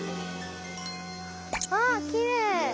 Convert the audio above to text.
あきれい！